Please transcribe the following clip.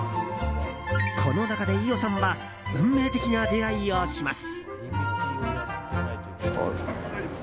この中で飯尾さんは運命的な出会いをします。